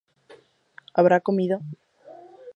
¿Habrá comido?